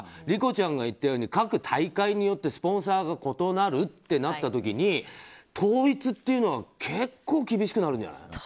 理子ちゃんが言ったように各大会によってスポンサーが異なるとなった時に統一というのは結構厳しくなるんじゃない？